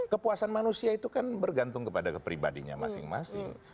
kepuasan manusia itu kan bergantung kepada kepribadinya masing masing